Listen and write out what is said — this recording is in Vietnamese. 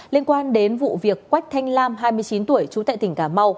liên quan đến vụ việc quách thanh lam hai mươi chín tuổi trú tại tỉnh cà mau